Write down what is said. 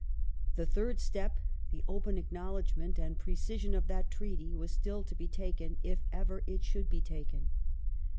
The third step, the open acknowledgment and precision of that treaty, was still to be taken, if ever it should be taken.